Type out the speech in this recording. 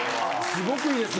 すごく良いです。